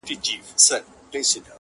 ستا د ښائست د صحيفې ثناء خوانى راغله